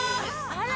あら！